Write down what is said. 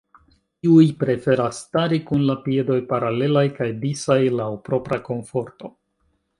Iuj preferas stari kun la piedoj paralelaj kaj disaj laŭ propra komforto.